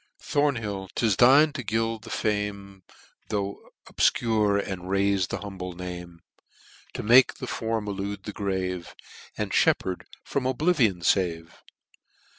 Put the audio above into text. Thornhill, *tis thine to gild with fame , Th* obfcure, and raife the humble name j To make the form eiude the grave, O * And Sheppard from oblivion fave.